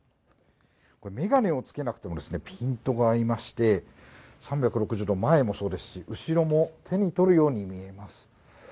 めがねをつけなくてもピントが合いまして３６０度前もそうですし、後ろも手にとるように見えます。